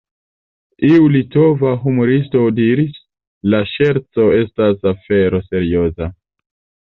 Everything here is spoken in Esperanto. Iu litova humuristo diris: “La ŝerco estas afero serioza.